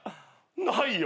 「ないよ？」